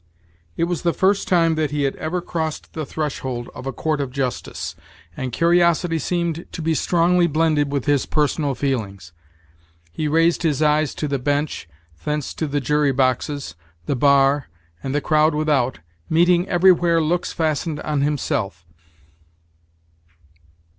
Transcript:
It was the first time that he had ever crossed the threshold of a court of justice, and curiosity seemed to be strongly blended with his personal feelings. He raised his eyes to the bench, thence to the jury boxes, the bar, and the crowd without, meeting everywhere looks fastened on himself.